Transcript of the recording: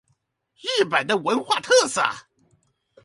日本的文化特色